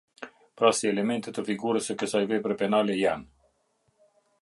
Pra si elemente të figurës së kësaj vepre penale janë: